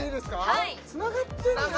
はいつながってんだよね